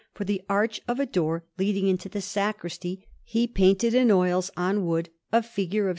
For the arch of a door leading into the sacristy, he painted in oils, on wood, a figure of S.